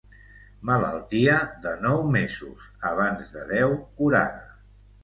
Malaltia de nou mesos, abans de deu curada.